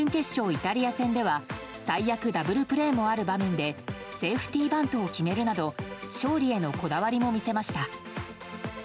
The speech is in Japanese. イタリア戦では最悪ダブルプレーもある場面でセーフティーバントを決めるなど勝利へのこだわりも見せました。